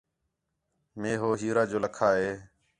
مے ہو ہیرا جو لَکھا ہِے